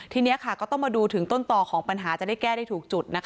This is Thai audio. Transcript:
ทีนี้ก็ต้องมาดูถึงต้นต่อของปัญหาจะได้แก้ได้ถูกจุด